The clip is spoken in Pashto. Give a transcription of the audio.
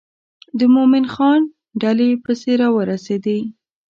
د مومن خان ډلې پسې را ورسېدې.